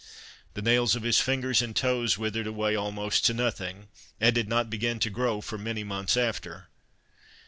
The nails of his fingers and toes withered away almost to nothing, and did not begin to grow for many months after.